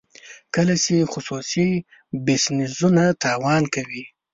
کله چې خصوصي بزنسونه تاوان کوي.